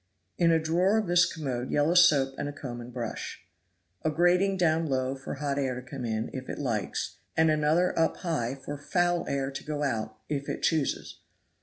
In a drawer of this commode yellow soap and a comb and brush. A grating down low for hot air to come in, if it likes, and another up high for foul air to go out, if it chooses.